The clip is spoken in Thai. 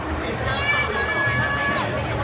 ขอบคุณสไตล์รุ่นรับวันมาก